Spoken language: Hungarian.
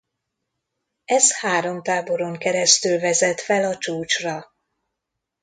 Ez három táboron keresztül vezet fel a csúcsra.